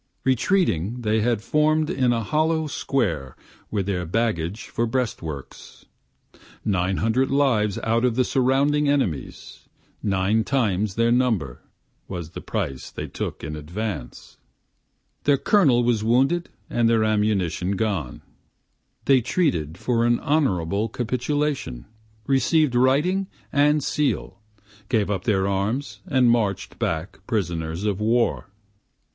Retreating they had form'd in a hollow square with their baggage for breastworks, Nine hundred lives out of the surrounding enemies, nine times their number, was the price they took in advance, Their colonel was wounded and their ammunition gone, They treated for an honorable capitulation, receiv'd writing and seal, gave up their arms and march'd back prisoners of war.